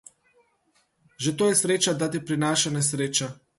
Že to je sreča, da ti prizanaša nesreča.